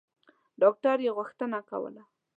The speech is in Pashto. ډاکټر یې غوښتنه کوله.